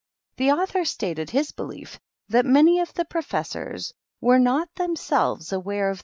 The autlior stated his belief that many of the professors were not themselves aware of THE KINDERGARTEN.